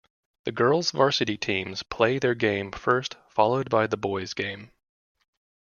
The girls varsity teams play their game first followed by the boys game.